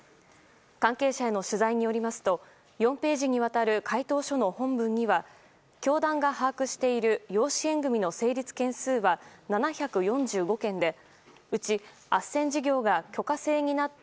関係者への取材によりますと４ページにわたる回答書の本文には教団が把握している養子縁組の成立件数は７４５件でうちあっせん事業が許可制になった